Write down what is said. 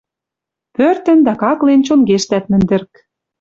Пӧртӹн дӓ каклен чонгештӓт мӹндӹрк;